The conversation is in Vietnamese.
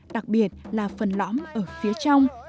đặc biệt là phần lõm ở phía trong